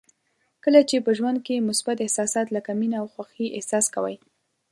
کله چې په ژوند کې مثبت احساسات لکه مینه او خوښي احساس کوئ.